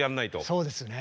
そうですね。